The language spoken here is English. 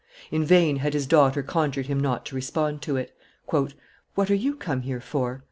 In vain had his daughter conjured him not to respond to it. "What are you come here for?"